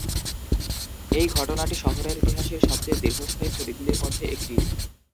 এই ঘটনাটি শহরের ইতিহাসের সবচেয়ে দীর্ঘস্থায়ী ছবিগুলির মধ্যে একটি।